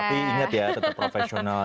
tapi ingat ya tetap profesional